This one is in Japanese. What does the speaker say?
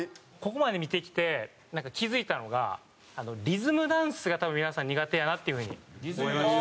ここまで見てきて気づいたのがリズムダンスが多分皆さん苦手やなっていうふうに。